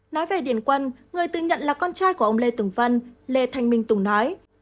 nói về điền quân người tự nhận là con trai của ông lê tùng vân lê thanh minh tùng nói